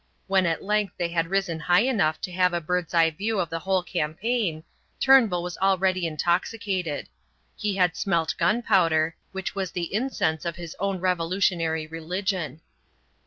When at length they had risen high enough to have a bird's eye view of the whole campaign, Turnbull was already intoxicated. He had smelt gunpowder, which was the incense of his own revolutionary religion.